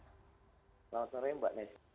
selamat sore mbak nes